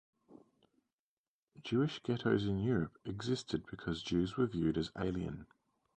Jewish ghettos in Europe existed because Jews were viewed as alien.